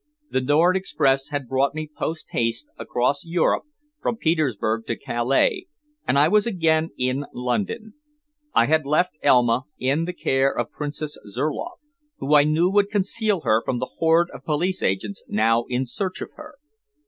The Nord Express had brought me posthaste across Europe from Petersburg to Calais, and I was again in London. I had left Elma in the care of the Princess Zurloff, whom I knew would conceal her from the horde of police agents now in search of her.